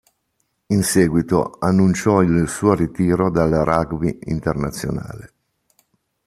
In seguito annunciò il suo ritiro dal rugby internazionale.